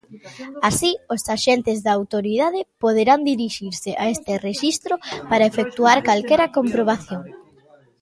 Así, os axentes da autoridade poderán dirixirse a este rexistro para efectuar calquera comprobación.